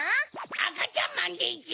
あかちゃんまんでちゅ！